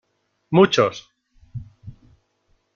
¡ muchos!